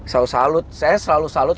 selalu salut saya selalu salut